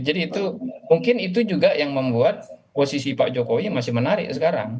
jadi itu mungkin itu juga yang membuat posisi pak jokowi masih menarik sekarang